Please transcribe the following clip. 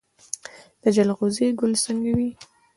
د جلغوزي ګل څنګه وي؟